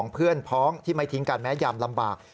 เพื่อนพ้องที่ไม่ทิ้งกันแม้ยามลำบาก